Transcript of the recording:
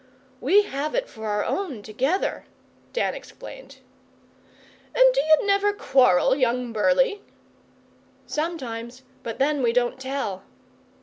'We have it for our own, together,' Dan explained. 'And d'you never quarrel, young Burleigh?' 'Sometimes, but then we don't tell.